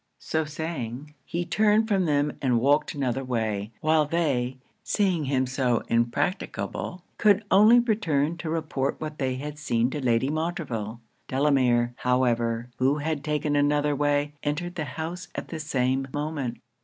So saying, he turned from them and walked another way; while they, seeing him so impracticable, could only return to report what they had seen to Lady Montreville. Delamere, however, who had taken another way, entered the house at the same moment.